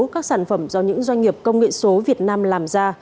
các sản phẩm do những doanh nghiệp công nghệ số việt nam làm ra